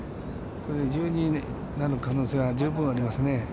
これで１２になる可能性が十分ありますね。